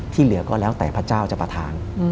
เหลือก็แล้วแต่พระเจ้าจะประธาน